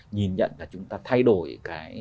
nhìn nhận là chúng ta thay đổi cái